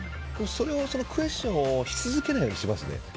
でもクエスチョンをし続けないようにします。